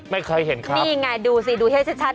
ไม่เคยเห็นเขานี่ไงดูสิดูให้ชัด